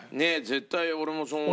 絶対俺もそう思う。